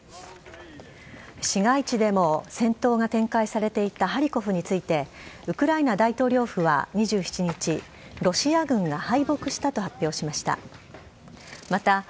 市街地でも戦闘が展開されていたハリコフについて、ウクライナ大統領府は２７日、ロシア軍が敗北したと発表しました。